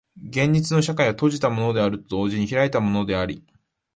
現実の社会は閉じたものであると同時に開いたものであり、